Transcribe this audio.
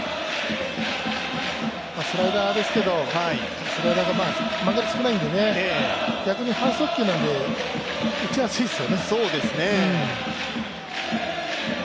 スライダーですけど、曲がり少ないんで、逆に半速球なんで打ちやすいですよね。